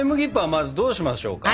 まずどうしましょうか？